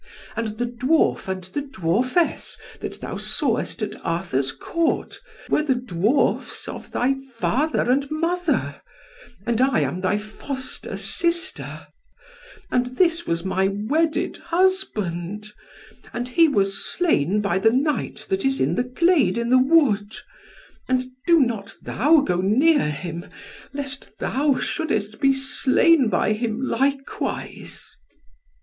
And the dwarf and the dwarfess that thou sawest at Arthur's Court, were the dwarfs of thy father and mother; and I am thy foster sister, and this was my wedded husband, and he was slain by the knight that is in the glade in the wood; and do not thou go near him, lest thou shouldest be slain by him likewise."